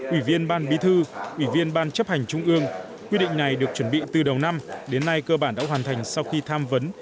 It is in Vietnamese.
ủy viên ban bí thư ủy viên ban chấp hành trung ương quy định này được chuẩn bị từ đầu năm đến nay cơ bản đã hoàn thành sau khi tham vấn